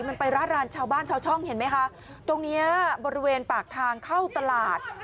มันไปร่ารานชาวบ้านชาวช่องเห็นไหมคะตรงเนี้ยบริเวณปากทางเข้าตลาด